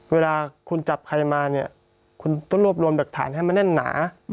เวลาคุณจับใครมาเนี่ยคุณต้องรวบรวมหลักฐานให้มันแน่นหนา